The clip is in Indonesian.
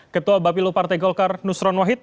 ketua bapilu partai golkar nusron wahid